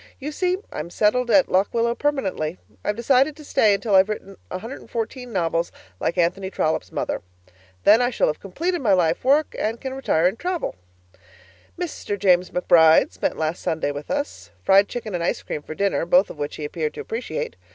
You see I'm settled at Lock Willow permanently. I have decided to stay until I've written 114 novels like Anthony Trollope's mother. Then I shall have completed my life work and can retire and travel. Mr. James McBride spent last Sunday with us. Fried chicken and ice cream for dinner, both of which he appeared to appreciate.